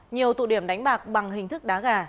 nhiều tụ điểm đánh bạc bằng hình thức đá gà